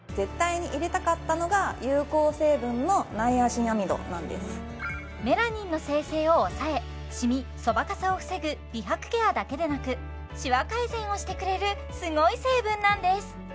そこにとにかくこだわっていますメラニンの生成を抑えシミそばかすを防ぐ美白ケアだけでなくシワ改善をしてくれるすごい成分なんです